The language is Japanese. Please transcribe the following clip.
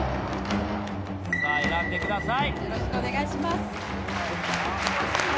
さあ選んでください。